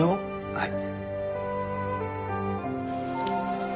はい。